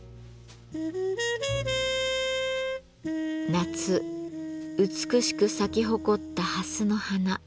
夏美しく咲き誇った蓮の花。